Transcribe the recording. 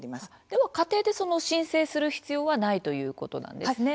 では家庭で申請する必要はないということなんですね。